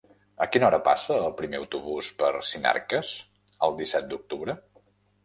A quina hora passa el primer autobús per Sinarques el disset d'octubre?